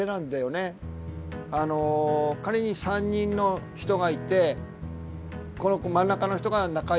あの仮に３人の人がいてこの真ん中の人が仲いい。